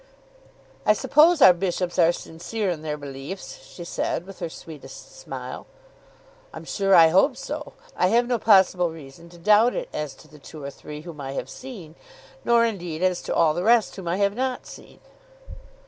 "I suppose our bishops are sincere in their beliefs," she said with her sweetest smile. "I'm sure I hope so. I have no possible reason to doubt it as to the two or three whom I have seen, nor indeed as to all the rest whom I have not seen."